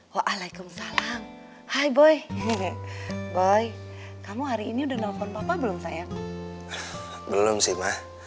walaikum salam hai boy boy kamu hari ini udah nelfon papa belum sayang belum sih mah